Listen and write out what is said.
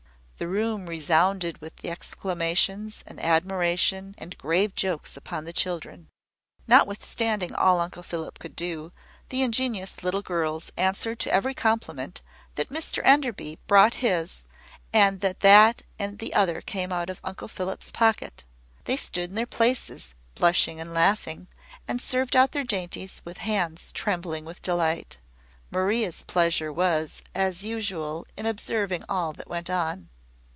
The room resounded with exclamations, and admiration, and grave jokes upon the children. Notwithstanding all Uncle Philip could do, the ingenuous little girls answered to every compliment that Mr Enderby brought his, and that that and the other came out of Uncle Philip's pocket. They stood in their places, blushing and laughing, and served out their dainties with hands trembling with delight. Maria's pleasure was, as usual, in observing all that went on.